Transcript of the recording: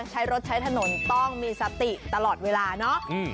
ใช้รถใช้ถนนต้องมีสติตลอดเวลาเนาะ